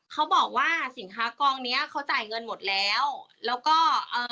เขาบอกว่าสินค้ากองเนี้ยเขาจ่ายเงินหมดแล้วแล้วก็เอ่อ